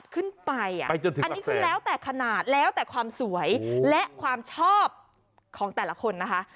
ขึ้นไปจนถึงอันนี้ขึ้นแล้วแต่ขนาดแล้วแต่ความสวยและความชอบของแต่ละคนนะคะ